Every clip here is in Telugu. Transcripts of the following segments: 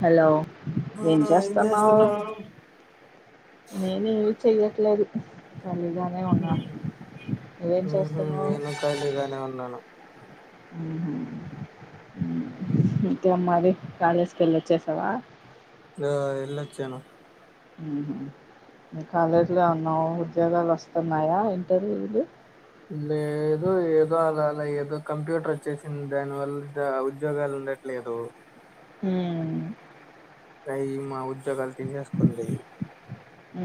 హలో ఏం ఆ చేస్తాన్నావ్ చేస్తున్నావు నేను చెయ్యట్లేదు ఖాళీ గానే ఉన్నాను నువ్వేం ఉహు చేస్తున్నావు? నేను ఖాళీగానే ఉన్నాను ఇంకేం మరి కాలేజ్ కి వెళ్ళి వచ్చేసావా ఆ ఎల్లి వచ్చాను ఊహూ మీ కాలేజీలో ఏమన్నా ఉద్యోగాలు వస్తున్నాయా ఇంటర్వ్యూలు లేదు ఏదో అలా అలా ఏదో కంప్యూటర్ వచ్చేసింది దాని వల్ల ఉద్యోగాలు ఉండట్లేదు హ్మ్ ఈ మా ఉద్యోగాలు తీసేసుకుంది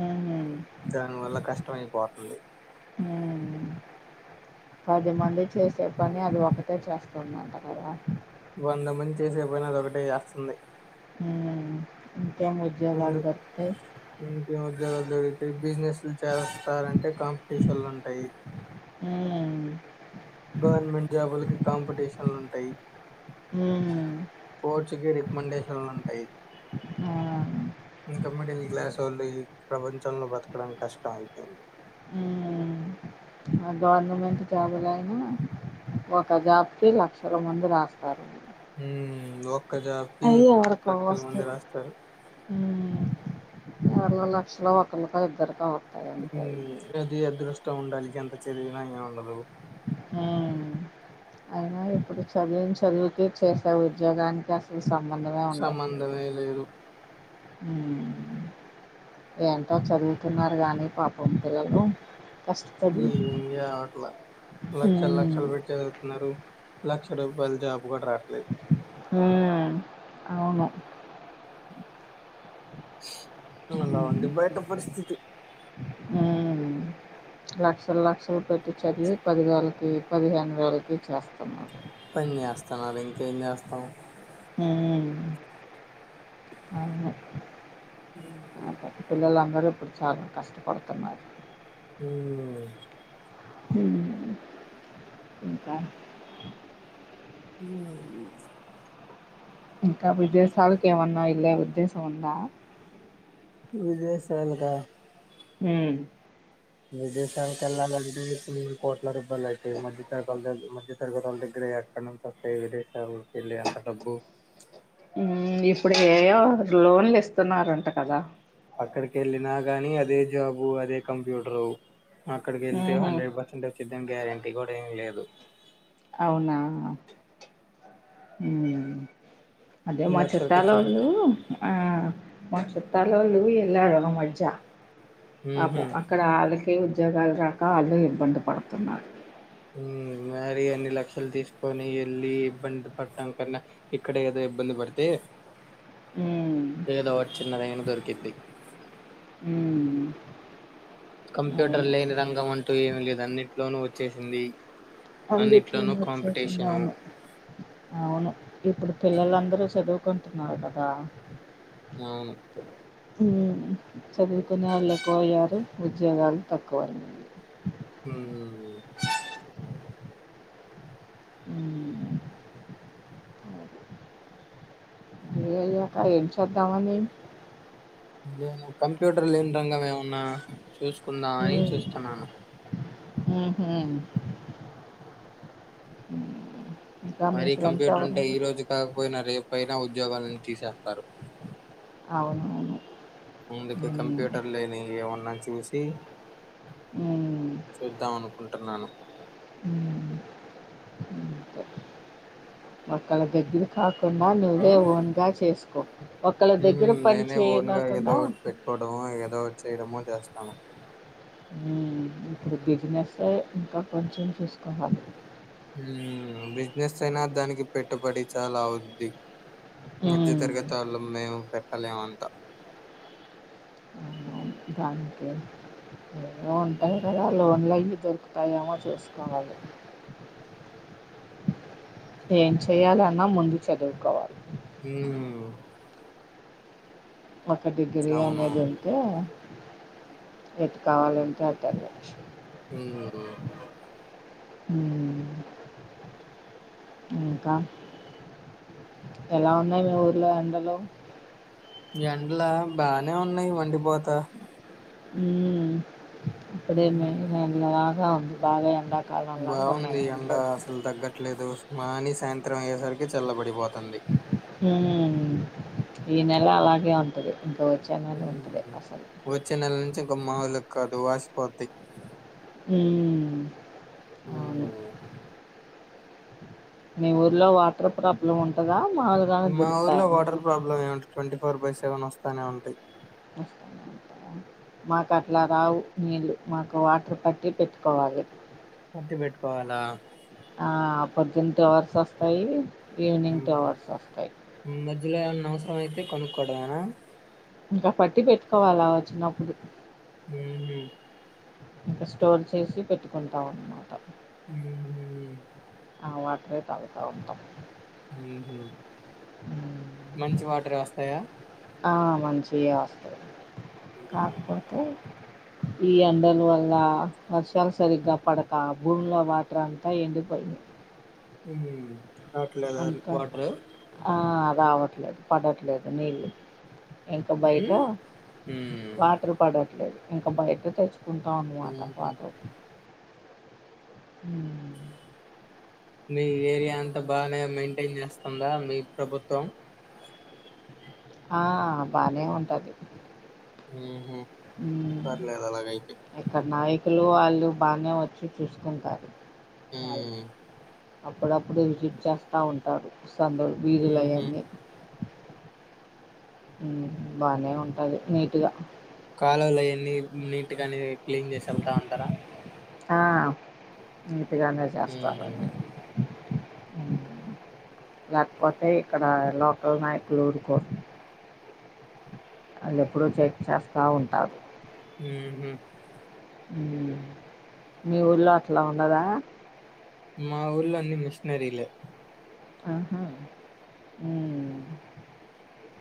మ్మ్. దాని వల్ల కష్టం అయిపోతంది పదిమంది చేసే పని అది ఒకటే చేస్త ఉందంట కదా వంద మంది చేసే పని అది ఒకటే చేస్తంది హ్మ్ ఏం ఉద్యోగాలు ముందు దొరుకుతాయ్ ఇంకేం ఉద్యోగాలు దొరుకుతయి బిజినెస్లు చేస్తారంటే కాంపిటీషన్లు ఉంటాయి. హ్మ్ గవర్నమెంట్ జాబులకి కాంపిటీషన్లు ఉంటాయి. హ్మ్ పోర్చుకి రికమెండేషన్లు ఉంటాయి. ఆ. ఇంక మిడిల్ క్లాసోళ్ళు ఈ ప్రపంచంలో బతకడం కష్టం అయిపోయింది. మ్మ్. గవర్నమెంట్ జాబులయినా ఒక జాబ్కి లక్షల మంది రాస్తారు. హ్మ్ ఒక్క జాబ్కి అయి ఎవరికో లక్షల మంది వస్తాయి రాస్తారు [unintelligible] లక్షలో ఒకళోకో ఇద్దరుకో వ అది అది అద్రుష్ ష్టము ఉండాలి ఎంత చదివినా ఏమి ఉండదు. హ్మ్ అయినా ఇప్పుడు చదివిన చదువుకి చేసే ఉద్యోగానికి అసలు సంబంధమే ఉండట్లేదు. సంబంధమే లేదు హ్మ్ ఏంటో చదువుతున్నారు కానీ పాపం పిల్లలు కష్టపడి ఏం అట్లా లక్షలు లక్షలు పెట్టి చదువుతున్నారు లక్ష రూపాయల జాబ్ గుడ రాట్లే మ్మ్ అలా ఉంది బయట పరిస్థితి లక్షల లక్షలు పెట్టి చదివి పది వేలకి పదిహేను వేలకి చేస్తాం పని చేస్తన్నారు ఇంకేం చేస్తాం మ్మ్ మ్మ్ అదే. పిల్లలందరూ ఇప్పుడు చాలా కష్టపడుతున్నారు మ్మ్ మ్మ్ ఇంకా మ్మ్ ఇంకా విదేశాలకేమన్నా ఎల్లే ఉద్దేశ ఉందా విదేశాల క మ్మ్ విదేశాలకు వెళ్ళాలంటే ఇప్పుడు కోట్ల రూపాయలు అయితయి మధ్య తరగల మధ్య తరగతిల దగ్గర ఎక్కడంత వస్తాయి విదేశాలకి వెళ్లి అంత డబ్బు మ్మ్ ఇప్పుడు ఏం లోన్లు ఇస్తున్నారంట కదా అక్కడికి వెళ్ళినా గానీ అదే జాబు అదే కంప్యూటరు అక్కడికి వెళ్తే ఉహు హండ్రెడ్ పర్సెంట్ ఏం సిద్ధం గ్యారెంటీ కూడా ఏం లేదు అవునా అదే మా లక్షలు ఖర్చు చుట్టలొల్లు పెట్టి ఆ మా చుట్ తలవుళ్లు ఎలా రడ మజజా అపో ఉహు అక్కడ అల ఉద్యోగాలు రాక వాళ్ళు ఇబ్బంది పడుతున్నారు మ్మ్ మరి అన్ని లక్షలు తీసుకొని వెళ్ళి ఇబ్బంది పడటాం కన్నా ఇక్కడ ఏదో ఇబ్బంది పడితే ఉమ్ ఏదో ఒక చిన్నదైనా దొరికిద్ది ఉమ్ కంప్యూటర్ అవును లేని రంగం అంటూ ఏమి లేదు అన్నింటిలోనూ వచ్చేసింది అందుకి అన్నిట్లోనూ వచ్చేసింది కాంపిటీషను అవును అవును ఇప్పుడు పిల్లలందరూ చదువు కుంటున్నారు కదా అవును మ్మ్ చదువుకునేవాళ్ళు ఎక్కువయ్యారు ఉద్యోగాలు తక్కువయ్యాయి హ్మ్ ఉమ్ య ఏం చేద్దామని నేను కంప్యూటర్ లేని రంగం ఏమన్నా చూసుకుందామని చూస్తున్నాను మ్మ్ హ్మ్ ఇంకా మీ మరీ ఫ్రెండ్స్ కంప్యూటర్ ఎవరు అంటే ఈ రోజు కాకపోయినా రేపు పైన ఉద్యోగాలను తీసేస్తారు అవునవును ముందుకు ఉమ్ కంప్యూటర్ లేనివి ఏమన్నా చూసి ఉమ్ చూద్దాం అనుకుంటున్నాను ఉమ్ మక్కల దగ్గా ఆ నువ్వే ఓన్గా చేసు ఓ నేనే ఓన్ గ ఏదో ఒకటి పెట్టుకోవడమ ఏదో ఒకటి చేయడమో చేస్తాను ఈ బిజినెస్ ఇంకా కొంచెం చూసుకుందాం హు బిజినెస్ అయినా దానికి పెట్టుబడి చాలా అవుంది హు దంట్లో మేము పెట్టలేమ్ అంత దానికేం అమౌంట లేక ఏదన్నా లోన్ అవి దొరుకుతాయేమో చుసుకోవాలి ఏం చెయ్యాలన్నా ముందు చదువుకోవాలి హు ఒక డిగ్రీ అవునవును అనేది ఉంటే ఎటు కావాలంటే అటు వెళ్లొచ్చు హు హు హు ఇంకా ఎలా ఉన్నాయి మీ ఊరిలో ఎండలు ఎండ్ల బానే ఉన్నాయి మండిపోత హు అప్పుడే మే అవును బాగా ఎండ బాగుంది ఎండ అసలు తగ్గట్లేదు మాని సాయంత్రం అయ్యేసరికి చల్లబడిపోతంది ఊ ఈ నెల అలాగే ఉంటుంది వచ్చే నెల నుంచి ఇంక మాములు కదు వాసిపోతది హు ఓ మీ ఊర్లో వాటర్ ప్రాబ్లమ్ ఉంటదా మా ఊర్లో వాటర్ ప్రాబ్లమ్ ఏమంటు ట్వంటీ ఫోర్ బై సెవెన్ వస్తానే ఉంటాయి వస్తూనే ఉంటాయా మాకు అట్లా రావు నీళ్ళు మాకు వాటర్ పట్టి పెట్టుకోవాలి పట్టి పెట్టుకోవాలా ఆ పొద్దున టుఅవర్స్ వస్తాయి ఈవినింగ్ టుఅవర్స్ వస్తాయి మధ్యలో ఏమన్నా అవసరం అయితే కొనుకోవడమేనా ఇంకా పట్టి పెట్టుకోవాల వచ్చినప్పుడు హు హు స్టోర్ చేసి పెట్టుకుంటాం అన్నమాట హు హు ఆ వాటరె తాగుతాఉంటాం మంచి వాటరె వస్తాయా. ఆ మంచియె వస్తాయి. కాకపోతే. ఈ ఎండల వల్ల వర్షాలు సరిగ్గా పడక భూమిలో వాట్ర అంతా ఎండిపోయింది. ఉ అంత ఆ. రావట్లేదు, పడట్లేదు, నీళ్ళు. ఇంకా బయట, ఉమ్ హ్మ్ వాటర్ పడరు. లేదు ఇంకా బయట తెచ్. ఉంటాము ఆట ఊహు పాటు. అ మీ ఏరియా అంతా, బానే మెయింటేన్ చేస్తుందా, మీ ప్రభుత్వం. ఆ బానే ఉంటది. ఊ ఉహు. ఇక్కడ నాయిక్. అంకుల్ వాళ్ళు బాగానే వచ్చి చూసుకుంటారు. వాళ్ళు ఉమ్. అప్పుడప్పుడు విజిట్ చేస్తా ఉంటారు. సందుల్ ఊహు వీధులయన్నీ. ఉమ్ బానే ఉంటాది నీట్గా. కాలువలు ఆయన్నీ నీట్గానే. క్లీన్ చేసి ఎళ్తా అంటారా. ఆ. ఉట్టిగానె చేస్తారు. హ్మ్ లేకపోతే ఇక్కడ లోకల్ నాయకులు ఊరుకో. వాళ్ళు ఎప్పుడూ చెక్ చేస్తా ఉంటారు. ఊ ఉహు. మీ ఊల్లో అట్లా ఉండదా. మాఊళ్ళ అన్నీ మిషనరీలే. ఆహా.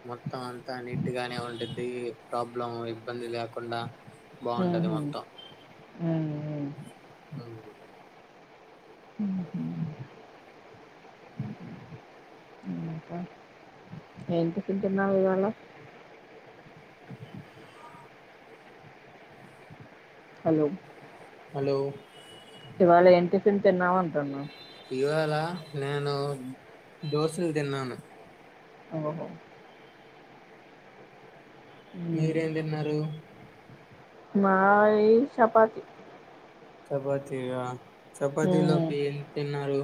మొత్తం అంతా నీట్గానే ఉంటుంది. ప్రాబ్లమ్ ఇబ్బంది లే. కాకుండా బాగుంటది హుహు. మొత్తం. హ్మ్. హ్మ్. ఏమ్ టిఫిన్ తిన్నావు ఇవాళ. హలో. హలో ఇవాళ ఏంటి. తీన్ తిన్నావా అంటాన్న. ఇవాళ నేను దోషను తిన్నాను. ఓహ్ ఓ. మీరు ఏమి తిన్నారు? మాయి చపాతి. చపాతీ ఆ.. చపాతీ లోకి ఏమి తిన్నారు?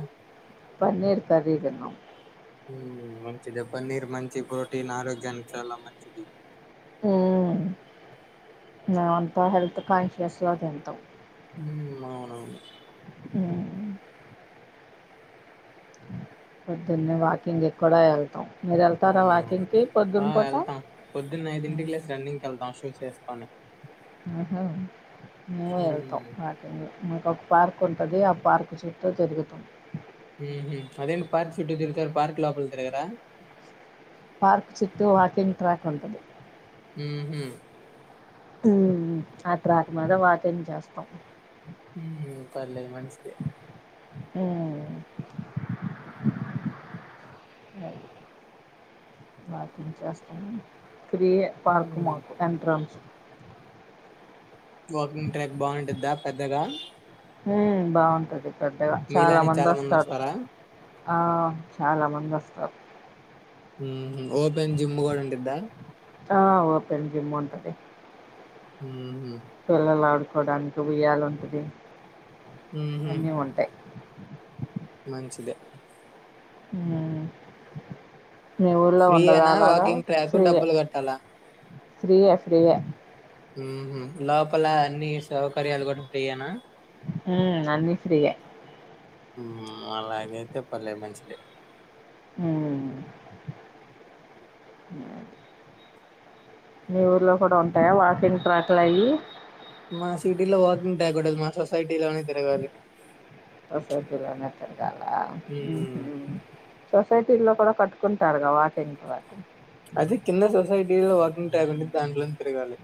పనీర్ కర్రీ, తిన్నాం. ఉమ.. మంచిది పన్నీర్ మంచిది ప్రోటీన్ ఆరోగ్యానికి చాలా మంచిది. ఉమ్ నా అంత హెల్ప్ కాన్స్ ఫ్రెష్ ఏం తింటావ్? ఉమ్ అవునవును పొద్దున్న వాకింగ్ ఇక్కడే వెళ్తా? మీరు వెళ్తారా అవునవును వాకింగ్కి ఆ పూట వెళ్తాం పొద్దున్న ఐదింటికి లేసి రన్నింగ్ వెళ్తాం షూస్ వేసుకొని. హుహూ. నువ్వు వెళ్తావ వాకింగ్ గు.. మాకు ఒక పార్క్ ఉంటుంది, ఆ పార్క్ చుట్టూ తిరుగుతాం. ఉమ్ హు అదేంటి పార్క్ చుట్టూ తిరుగు ఇద్దరు పార్క్ లోపల తిరుగుతారా? పార్క్ చుట్టూ వాకింగ్ ట్రాక్ ఉంటుంది. ఉమ్ హ్మ్. ఉమ్ ఆ ట్రాక్ మీద వాకింగ్ చేస్తాం. ఉమ్ హ్మ్. పర్లేదు మంచిదే. హూ ఆ వాకింగ్ చేస్తాం. ఫ్రీయే, పార్క్ మ్మ్ మాకు ఎంట్రన్స్. వాకింగ్ ట్రాక్ బాగుంటాద పెద్దగా. హు బాగుంటది. పెద్దగా చాలా మంది వస్తారు. ఆ చాలా మంది వస్తారు. ఉమ్ ఓపెన్ జిమ్ కూడా ఉంటూద్దా ఆ ఓపెన్ జిమ్ ఉంటాది ఉ హు. సల్ లాల్ ఆడ [unintelligible] కొండంత ఊయల ఉంటాది. మ్మ్ అన్నీ ఉంటాయి. మంచిదే ఊ ఫ్రీ అనా వాకింగ్ ట్రాక్ డబ్బులు కట్టాలా ఫ్రీయా ఫ్రీయా మ్మ్ హ్మ్ లోపల అన్ని సౌకర్యాలు కూడా ఫ్రీయేనా హ్మ్ అన్నీ ఫ్రీయే మ్మ్ అలాగైతే పర్లే మంచిదే మ్మ్ అ మీ ఊర్లో కూడా ఉంటాయా వాకింగ్ ట్రాక్లు అయ్యి మా సిటీలో వాకింగ్ ట్రాక్ ఊడదు మా సొసైటీలోనే తిరగాలి సొసైటీ లోనే తిరగాల మ్మ్ హు సొ సైటీల్లో కూడా కట్టుకుంటారు కద వాకింగ్ ట్రాకు అది కింద సొసైటీలో వాకింగ్ ట్రాక్ ఉంది దాంట్లోని తిరగాలి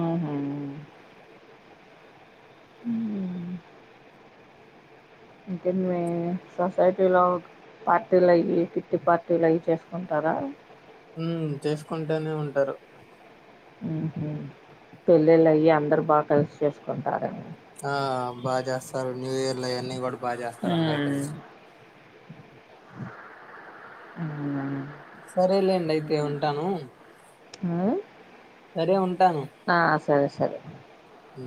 ఆహా మ్మ్ హ్మ్ ఇంకేం మే సొసైటీలో పార్టీలయ్యి కిట్టి పార్టీలు అవి చేసుకుంటారా. ఉ చేసుకుంటేనే ఉంటారు పెళ్ళిళ్ళు అయి అందరు బాగా కలిసి చేసుకుంటారుని ఆ బాగా చేస్తారు న్యూ ఇయర్ లోవన్నీడు బాగా చేస్తారు అందరు కలిసి అ సరేలేండి అయితే ఉంటాను హా సరే ఉంటాను సరే సరే ఉ